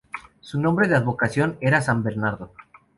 Su nombre de advocación era "San Bernardo".